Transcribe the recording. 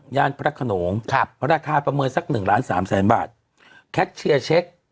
ย่านพระขนงครับราคาประเมินสักหนึ่งล้านสามแสนบาทอืม